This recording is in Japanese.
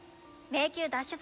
迷宮脱出